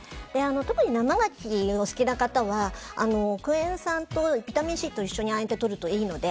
特に生ガキがお好きな方はクエン酸とビタミンＣと一緒に亜鉛ってとるといいので。